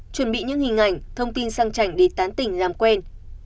chuẩn bị những hình ảnh thông tin sang chảnh để tán tỉnh làm quen